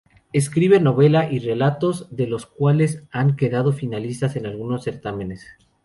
Escribe novela y relatos, algunos de los cuales han quedado finalistas en algunos certámenes.